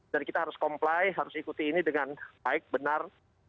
dan kita harus comply harus ikuti ini dengan baik benar